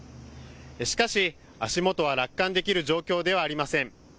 しかし、足元は楽観できる状況ではありません。